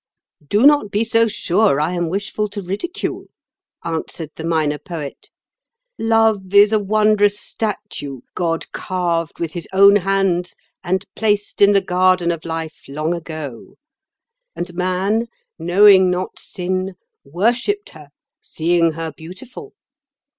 "Do not be so sure I am wishful to ridicule," answered the Minor Poet. "Love is a wondrous statue God carved with His own hands and placed in the Garden of Life, long ago. And man, knowing not sin, worshipped her, seeing her beautiful.